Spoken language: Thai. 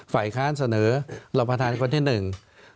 ฝ่ายค้านเสนอรองประธานคนที่หนึ่ง